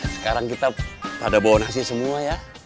sekarang kita pada bawa nasi semua ya